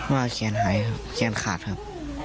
ว่าแขนหายครับแขนขาดครับ